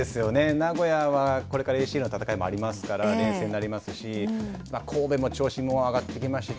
名古屋はこれからＡＣＬの戦いもありますから連戦になりますし神戸も調子も上がってきましたし